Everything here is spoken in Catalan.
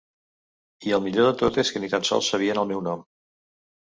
I el millor de tot és que ni tan sols sabien el meu nom.